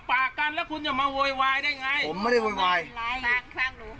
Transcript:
ปากกันแล้วคุณจะมาโวยวายได้ไงผมไม่ได้โวยวายข้างทางรู้